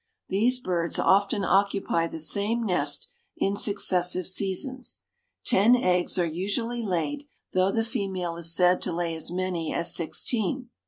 These birds often occupy the same nest in successive seasons. Ten eggs are usually laid, though the female is said to lay as many as sixteen.